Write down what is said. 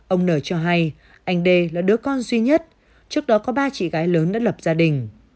ông nở cho hay anh đê là đứa con duy nhất trước đó có ba chị gái lớn đã lập gia đình